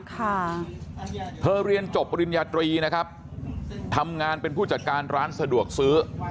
ค่ะเธอเรียนจบปริญญาตรีนะครับทำงานเป็นผู้จัดการร้านสะดวกซื้อ